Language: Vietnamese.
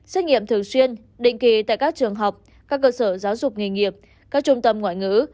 xét nghiệm thường xuyên định kỳ tại các trường học các cơ sở giáo dục nghề nghiệp các trung tâm ngoại ngữ